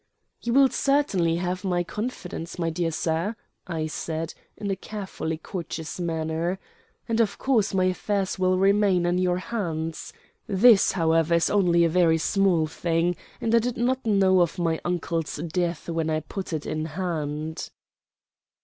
"You will certainly have my confidence, my dear sir," I said, in a carefully courteous manner. "And of course my affairs will remain in your hands. This, however, is only a very small thing, and I did not know of my uncle's death when I put it in hand."